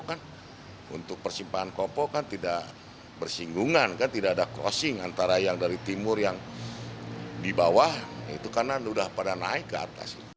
kan untuk persimpangan kopo kan tidak bersinggungan kan tidak ada crossing antara yang dari timur yang di bawah itu kanan sudah pada naik ke atas